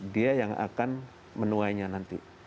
dia yang akan menuainya nanti